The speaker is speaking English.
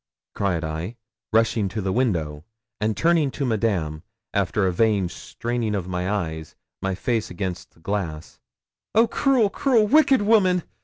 cried I, rushing to the window; and turning to Madame, after a vain straining of my eyes, my face against the glass 'Oh, cruel, cruel, wicked woman!